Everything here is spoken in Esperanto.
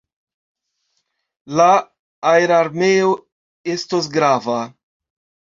La aerarmeo estos grava.